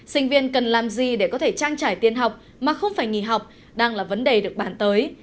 sinh viên cần làm gì để có thể trang trải tiền học mà không phải nghỉ học đang là vấn đề được bàn tới